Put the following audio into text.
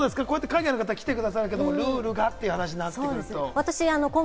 海外の方、来て下さるけれどルールがという話になってくると。